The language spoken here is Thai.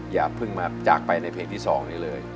อย่ายากไปในเพลงที่๒เลย